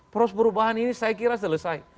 poros perubahan ini saya kira selesai